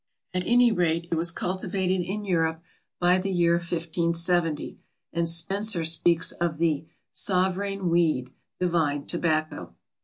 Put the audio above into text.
At any rate it was cultivated in Europe by the year 1570, and Spenser speaks of the "soveraine Weed, divine Tobacco."